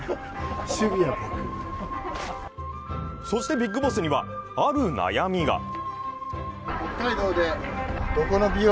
そしてビッグボスには、ある悩みが。